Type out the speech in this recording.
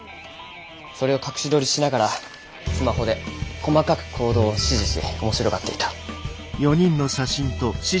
それを隠し撮りしながらスマホで細かく行動を指示し面白がっていた。